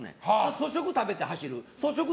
粗食食べて走る。